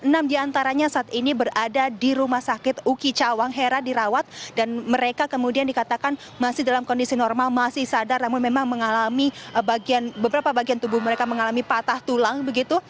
enam diantaranya saat ini berada di rumah sakit uki cawang hera dirawat dan mereka kemudian dikatakan masih dalam kondisi normal masih sadar namun memang mengalami beberapa bagian tubuh mereka mengalami patah tulang begitu